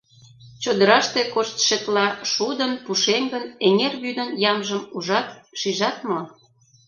Чодыраште коштшетла, шудын, пушеҥгын, эҥер вӱдын ямжым ужат, шижат мо?